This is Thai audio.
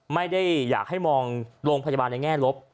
ไม่ได้อยากให้มองโรงพยาบาลในแง่ลบ